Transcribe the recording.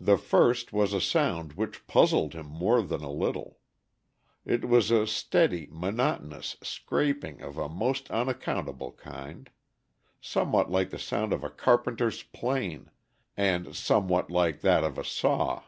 The first was a sound which puzzled him more than a little. It was a steady, monotonous scraping of a most unaccountable kind somewhat like the sound of a carpenter's plane and somewhat like that of a saw.